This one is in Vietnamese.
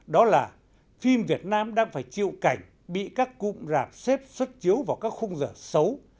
đó là phim việt nam đang phải chịu cảnh bị các cụm rạp xếp xuất chiếu vào các khung giờ xấu